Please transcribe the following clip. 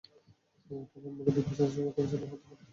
এটা কমপক্ষে আমার দুই বছরই বেতন ছিল, হতে পারে তিন বছরের।